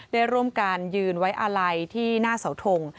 ได้ร่วมกันยืนไว้อาลัยที่หน้าเสาทง